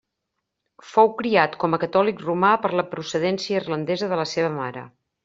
Fou criat com a Catòlic Romà per la procedència irlandesa de la seva mare.